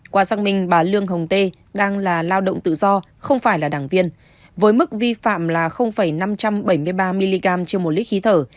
qua xác minh bà lương hồng tê đang là lao động tự do không phải là đảng viên với mức vi phạm là năm trăm bảy mươi ba mg trên một lít khí thở